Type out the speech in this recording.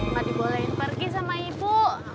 pak dibolehin pergi sama ibu